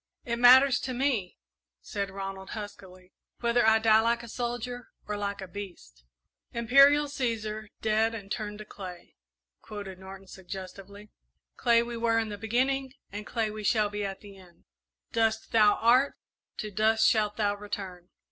"It matters to me," said Ronald, huskily, "whether I die like a soldier or like a beast." "'Imperial Cæsar, dead and turned to clay,'" quoted Norton, suggestively. "Clay we were in the beginning and clay we shall be at the end. 'Dust thou art; to dust shalt thou return.'"